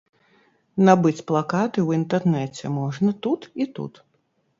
Набыць плакаты ў інтэрнэце можна тут і тут.